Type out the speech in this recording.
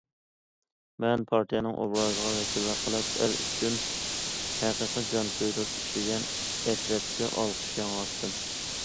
مەن پارتىيەنىڭ ئوبرازىغا ۋەكىللىك قىلىپ، ئەل ئۈچۈن ھەقىقىي جان كۆيدۈرۈپ ئىشلىگەن ئەترەتكە ئالقىش ياڭراتتىم.